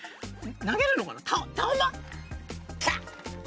投げるのかな？